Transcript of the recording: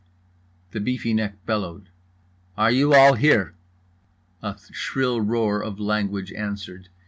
The beefy neck bellowed: "Are you all here?" A shrill roar of language answered.